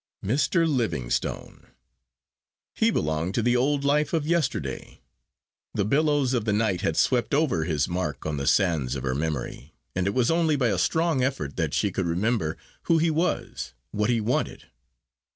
Mr. Livingstone! He belonged to the old life of yesterday! The billows of the night had swept over his mark on the sands of her memory; and it was only by a strong effort that she could remember who he was what he wanted.